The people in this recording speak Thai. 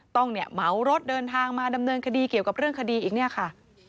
ต้องเนี่ยเหมารถเดินทางมาดำเนินคดีเกี่ยวกับเรื่องคดีอีกเนี่ยค่ะ